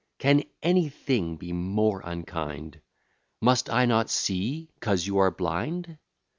Can anything be more unkind? Must I not see, 'cause you are blind?